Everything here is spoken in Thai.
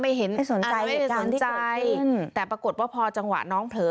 ไม่เห็นไม่สนใจแต่ปรากฏว่าพอจังหวะน้องเผลอ